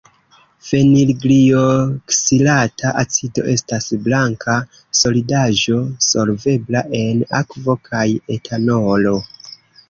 Fenilglioksilata acido estas blanka solidaĵo, solvebla en akvo kaj etanolo.